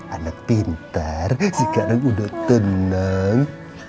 anak pintar sekarang udah tenang